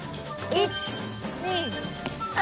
１２３。